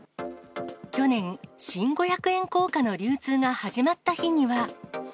去年、新五百円硬貨の流通が始まった日には。